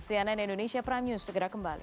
cnn indonesia prime news segera kembali